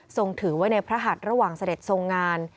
ถือไว้ในพระหัดระหว่างเสด็จทรงงาน